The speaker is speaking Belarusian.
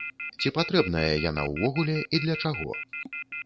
Ці патрэбная яна ўвогуле і для чаго?